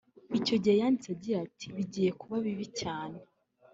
Icyo gihe yanditse agira ati “Bigiye kuba bibi cyane